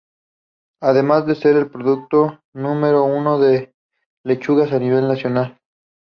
Además de ser el productor número uno de lechugas a nivel nacional.